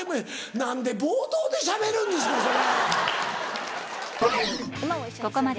何で冒頭でしゃべるんですかそれ！